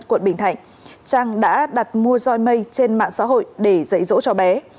quận bình thạnh trang đã đặt mua roi mây trên mạng xã hội để dậy rỗ cho bé